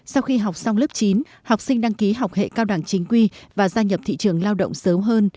sau khi học xong lớp chín học sinh đăng ký học hệ cao đẳng chính quy và gia nhập thị trường lao động sớm hơn